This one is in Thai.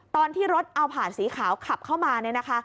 ตอนที่รถเอาผาดสีขาวขับเข้ามา